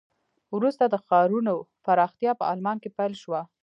وروسته د ښارونو پراختیا په آلمان کې پیل شوه.